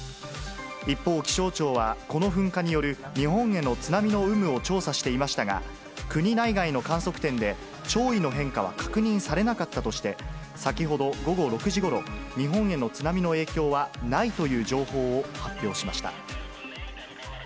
一方、気象庁は、この噴火による日本への津波の有無を調査していましたが、国内外の観測点で潮位の変化は確認されなかったとして、先ほど、午後６時ごろ、日本への津波の影響はないという情報を発表しました。